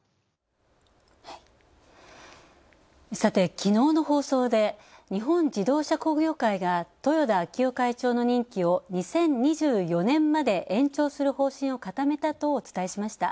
きのうの放送で、日本自動車工業会が豊田章男会長の任期を２０２４年まで延長する方針を固めたとお伝えしました。